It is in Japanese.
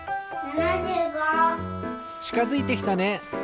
ちかづいてきたね！